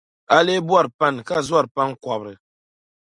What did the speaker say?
A lee bɔri pani ka zɔri pan’ kɔbiri.